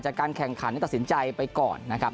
การแข่งขันตัดสินใจไปก่อนนะครับ